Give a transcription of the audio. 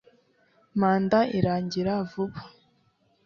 manda irangira vuba